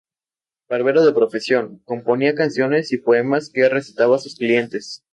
Barbero de profesión, componía canciones y poemas que recitaba a sus clientes.